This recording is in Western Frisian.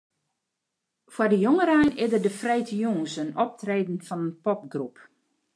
Foar de jongerein is der de freedtejûns in optreden fan in popgroep.